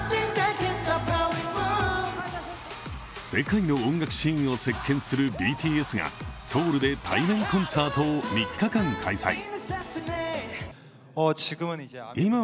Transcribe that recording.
世界の音楽シーンを席巻するＢＴＳがソウルで対面コンサートを３日間開催。